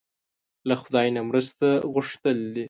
له خدای نه مرسته غوښتل دي.